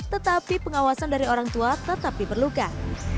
tetapi pengawasan dari orang tua tetap diperlukan